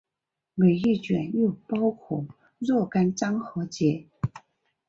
每一卷又包括若干章和节。